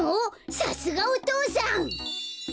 さすがお父さん！